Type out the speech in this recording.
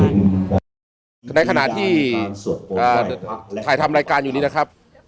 ในขณะที่ถ่ายทำรายการอยู่นี้นะครับ